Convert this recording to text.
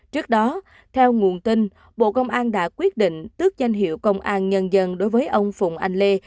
trước đó theo nguồn tin bộ công an đã quyết định tước danh hiệu công an nhân dân đối với ông phùng anh lê